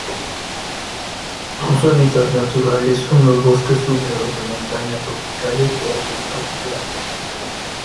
Sus hábitats naturales son los bosques húmedos de montaña tropicales o subtropicales.